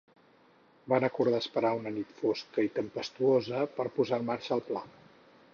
Van acordar esperar una nit fosca i tempestuosa per posa en marxa el pla.